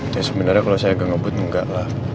ya sebenarnya kalau saya agak ngebut enggak lah